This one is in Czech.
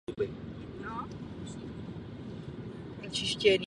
Byl druhým předsedou Ústavního soudu Republiky Slovinsko.